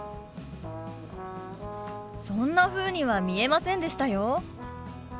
そんなふうには見えませんでしたよ。